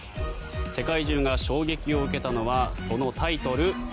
世界中が衝撃を受けたのはそのタイトル